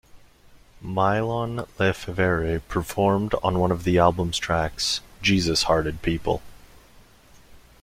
Mylon LeFevre performed on one of the album's tracks, Jesus Hearted People.